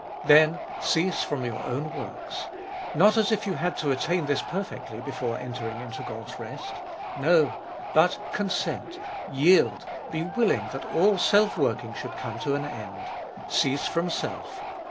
Then cease from your own works. Not as if you had to attain this perfectly before entering into God's rest. No, but consent, yield, be willing that all self working should come to an end. Cease from self.